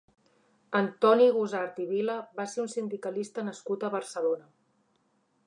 Antoni Gusart i Vila va ser un sindicalista nascut a Barcelona.